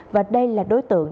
và đây là đối tượng